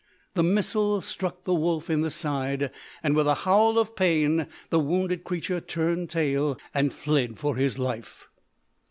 The missile struck the wolf in the side, and with a howl of pain the wounded creature turned tail and fled for his life.